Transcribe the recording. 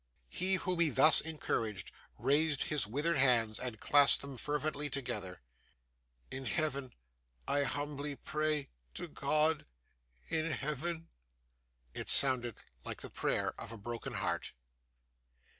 He whom he thus encouraged, raised his withered hands and clasped them fervently together. 'In heaven. I humbly pray to God in heaven.' It sounded like the prayer of a broken heart.